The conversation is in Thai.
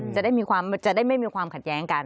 จะได้ไม่มีความขัดแย้งกัน